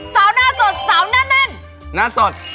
สาวหน้าสดสาวหน้าแน่นหน้าสด